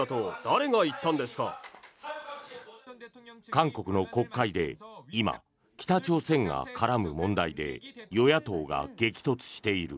韓国の国会で今、北朝鮮が絡む問題で与野党が激突している。